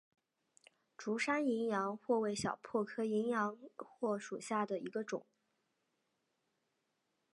竹山淫羊藿为小檗科淫羊藿属下的一个种。